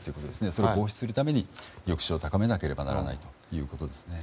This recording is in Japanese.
それを防止するために抑止を高めなければならないということですね。